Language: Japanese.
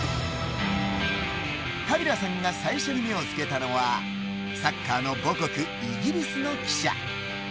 カビラさんが最初に目をつけたのはサッカーの母国・イギリスの記者。